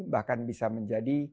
bahkan bisa menjadi